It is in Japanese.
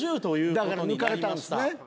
だから抜かれたんですね。